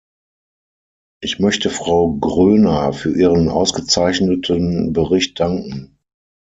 Ich möchte Frau Gröner für ihren ausgezeichneten Bericht danken.